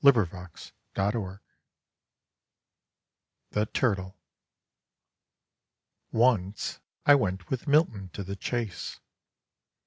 [Pg 60] THE TURTLE Once I went with Milton to the chase.